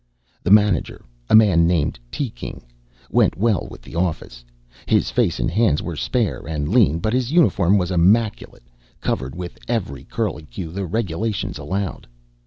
The manager a man named Teaking went well with the office. His face and hands were spare and lean, but his uniform was immaculate, covered with every curlicue the regulations allowed.